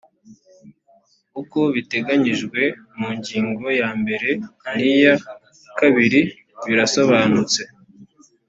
uko biteganyijwe mu ngingo ya mbere niya kabiri birasobanutse